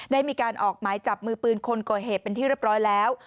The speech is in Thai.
ได้มีการออกหมายจับมือปืนคนก่อเหตุเป็นที่เรียบร้อยแล้ว